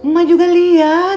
mak juga lihat